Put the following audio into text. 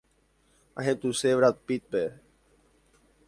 Ahetũse Brad Pittpe.